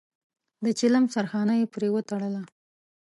د چيلم سرخانه يې پرې وتړله.